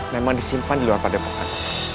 memang disimpan di luar padepokan